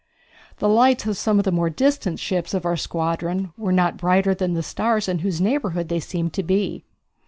The lights of some of the more distant ships of our squadron were not brighter than the stars in whose neighborhood they seemed to be.